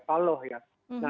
pak surya paloh ya